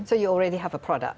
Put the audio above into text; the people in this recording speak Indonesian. jadi anda sudah memiliki produk